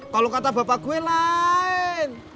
kalau kata bapak gue lain